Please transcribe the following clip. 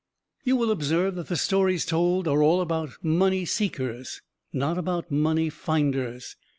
You will observe that the stories told are all about money seekers, not about money finders.